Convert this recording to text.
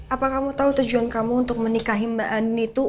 apa kamu tahu tujuan kamu untuk menikahi mbak anitu